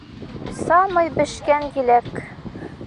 Самый бешкән еләк!